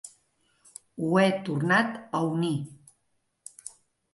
Ho he tornat a unir.